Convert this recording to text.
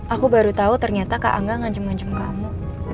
aku baru tau ternyata kak angga ngancam ngancam kamu